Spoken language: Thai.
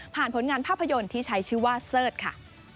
ผลงานภาพยนตร์ที่ใช้ชื่อว่าเสิร์ชค่ะ